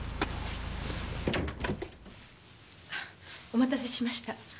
お待たせしました。